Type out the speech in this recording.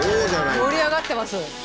盛り上がってます。